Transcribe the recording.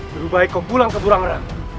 lebih baik kau pulang ke durangerang